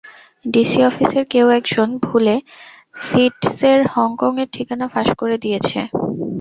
DC অফিসের কেউ একজন ভুলে ফিটজের হংকং এর ঠিকানা ফাঁস করে দিয়েছে।